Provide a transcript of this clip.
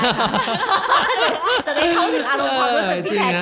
อาจจะได้เข้าถึงอารมณ์ความรู้สึกที่แท้จริง